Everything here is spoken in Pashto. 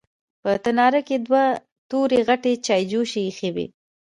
په تناره کې دوه تورې غټې چايجوشې ايښې وې.